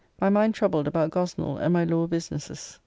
My mind troubled about Gosnell and my law businesses.